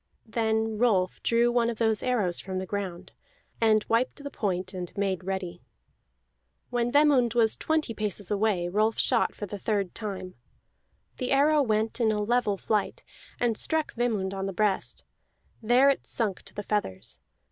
Then Rolf drew one of those arrows from the ground, and wiped the point, and made ready. When Vemund was twenty paces away Rolf shot for the third time. The arrow went in a level flight, and struck Vemund on the breast; there it sunk to the feathers.